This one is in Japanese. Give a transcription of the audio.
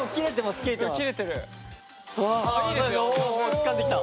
つかんできた。